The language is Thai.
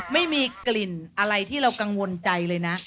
ไม่มีกลิ่นอะไรที่เรากังวลใจเลยนะ